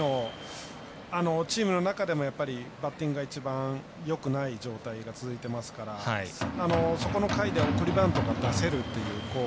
チームの中でも、バッティングが一番よくない状況が続いていますからそこで送りバントが出せるという。